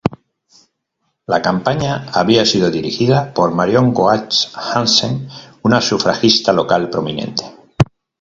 La campaña había sido dirigida por Marion Coates Hansen, una sufragista local prominente.